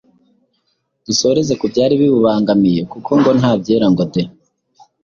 dusozereze ku byari bibubangamiye kuko ngo "nta byera ngo de !